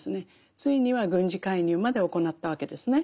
ついには軍事介入まで行ったわけですね。